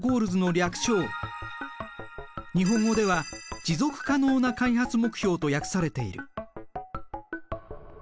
日本語では持続可能な開発目標と訳されている。